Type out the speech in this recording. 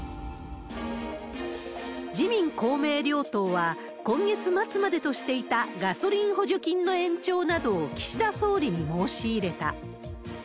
自民、公明両党は、今月末までとしていたガソリン補助金の延長などを岸田総理に申し入れた。